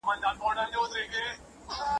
کوم بل کار شته چې زه یې ستاسو لپاره وکړم؟